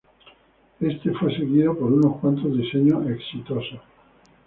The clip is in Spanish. Este fue seguido por unos cuantos diseños exitosos.